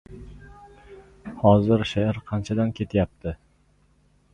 — Hozir she’r qanchadan ketyapti?